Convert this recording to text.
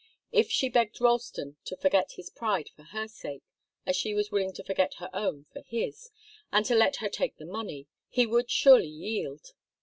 If she begged Ralston to forget his pride for her sake, as she was willing to forget her own for his, and to let her take the money, he would surely yield.